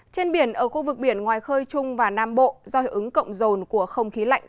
trên biển ở khu vực biển ngoài khơi trung và nam bộ do hiệu ứng cộng rồn của không khí lạnh